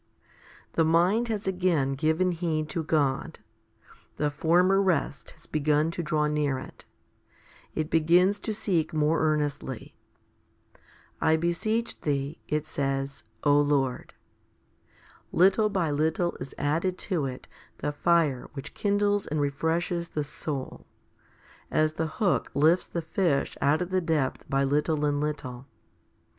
8. The mind has again given heed to God. The former rest has begun to draw near it. It begins to seek more earnestly. "I beseech Thee," it says, "O Lord." Little by little is added to it the fire which kindles and refreshes the soul, as the hook lifts the fish out of the depth by little and little.